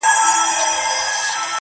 ګوړه چې له هرې ډډې وڅکې خوږه وي